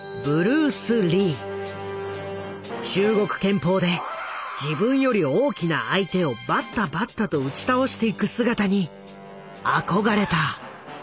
中国拳法で自分より大きな相手をバッタバッタと打ち倒していく姿に憧れた。